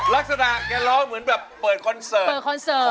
ลักษณะแกร้องเหมือนแบบเปิดคอนเสิร์ตเปิดคอนเสิร์ต